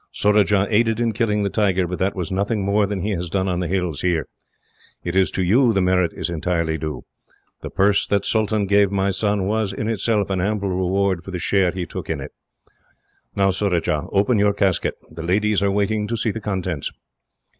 Surajah aided in killing the tiger, but that was nothing more than he has done on the hills, here. It is to you the merit is entirely due. The purse that the Sultan gave my son was, in itself, an ample reward for the share he took in it. "Now, Surajah, open your casket. The ladies are waiting to see the contents."